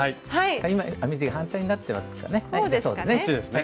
今編み地が反対になってますかね。